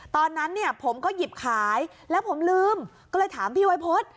ตอนนั้นเนี่ยผมก็หยิบขายแล้วผมลืมก็เลยถามพี่วัยพฤษ